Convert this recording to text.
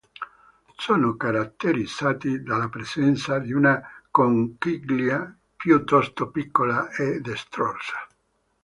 Sono caratterizzati dalla presenza di una conchiglia piuttosto piccola e destrorsa.